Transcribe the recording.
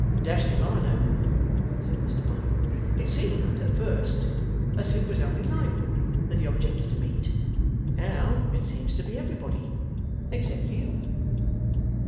'Dashed if I know!' said Mr Boffin. 'It seemed at first as if it was only Lightwood that he objected to meet. And now it seems to be everybody, except you.